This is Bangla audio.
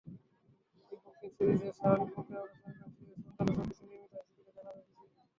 দ্বিপক্ষীয় সিরিজের স্বাভাবিক প্রক্রিয়া অনুসরণ করে সিরিজ-সংক্রান্ত সবকিছুই নিয়মিত আইসিসিকে জানাচ্ছে বিসিবি।